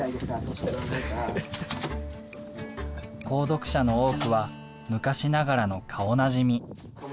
購読者の多くは昔ながらの顔なじみ。